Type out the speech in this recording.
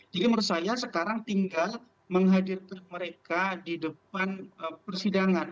jadi menurut saya sekarang tinggal menghadirkan mereka di depan persidangan